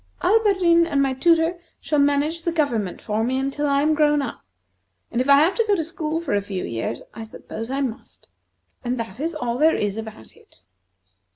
Alberdin and my tutor shall manage the government for me until I am grown up; and if I have to go to school for a few years, I suppose I must. And that is all there is about it!"